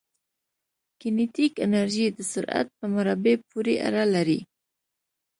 کینیتیک انرژي د سرعت په مربع پورې اړه لري.